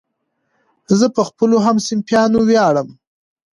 زه په خپلو همصنفیانو ویاړم.